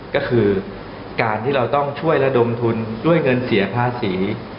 ก็คือการที่เราต้องช่วยระดมทุนด้วยเงินเสียภาษี